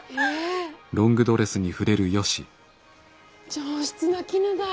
上質な絹だい。